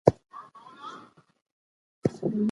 که ښځې زراعت پوهې وي نو حاصلات به کم نه وي.